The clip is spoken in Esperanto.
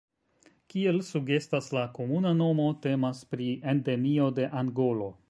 Kiel sugestas la komuna nomo, temas pri Endemio de Angolo.